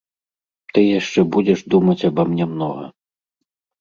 Ты яшчэ будзеш думаць аба мне многа.